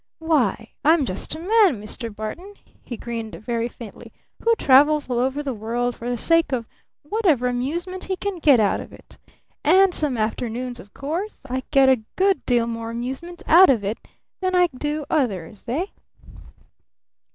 "Why, I'm just a man, Mr. Barton," he grinned very faintly, "who travels all over the world for the sake of whatever amusement he can get out of it. And some afternoons, of course, I get a good deal more amusement out of it than I do others. Eh?"